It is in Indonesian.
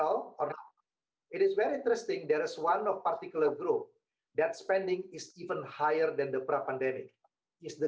akan menjadi seperti bentuk swash seperti brand nike mungkin mereka akan memiliki